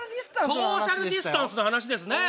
ソーシャルディスタンスの話ですねうん。